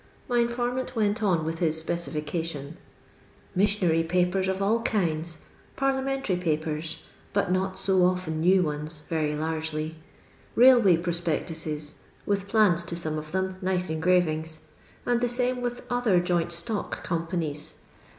My infi>rroaut went on with his specification : "llissionnry papers of all kinds. Piirlianientary papers, but not so often new ones, very largely. Kailway prospectuses, with plans to some of them, nice engravings; and the same with other joint stock companies.